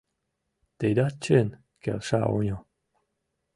— Тидат чын, — келша оньо.